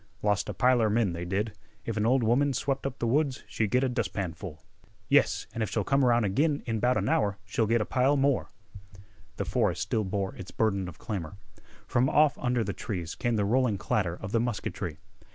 "Lost a piler men, they did. If an ol' woman swep' up th' woods she'd git a dustpanful." "Yes, an' if she'll come around ag'in in 'bout an hour she'll get a pile more." The forest still bore its burden of clamor. From off under the trees came the rolling clatter of the musketry.